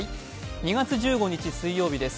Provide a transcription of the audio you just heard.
２月１５日、水曜日です。